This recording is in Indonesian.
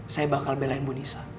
saya bakal belain bu nisa